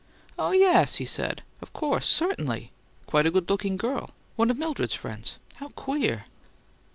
"Oh, yes," he said. "Of course certainly. Quite a good looking girl one of Mildred's friends. How queer!"